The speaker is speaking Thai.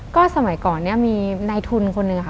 ก็สมัยก่อนมีนายทุนคนหนึ่ง